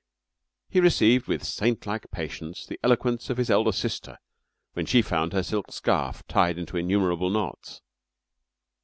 He received with saint like patience the eloquence of his elder sister when she found her silk scarf tied into innumerable knots.